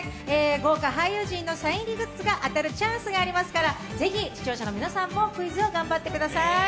豪華俳優陣サイン入りグッズが当たるチャンスがありますからぜひ視聴者の皆さんもクイズを頑張ってください。